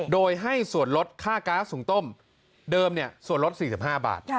โดยให้ส่วนลดค่าก๊าซหุงต้มเดิมส่วนลด๔๕บาท